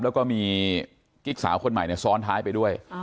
แล้วก็มีกิ๊กสาวคนใหม่ซ้อนท้ายไปด้วย